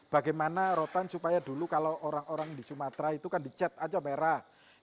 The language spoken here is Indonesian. bagaimana rotan supaya dulu kalau orang orang di sumatera itu kan dicet aja merah